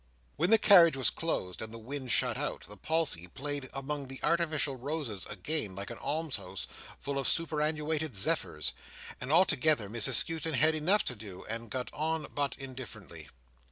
When the carriage was closed, and the wind shut out, the palsy played among the artificial roses again like an almshouse full of superannuated zephyrs; and altogether Mrs Skewton had enough to do, and got on but indifferently.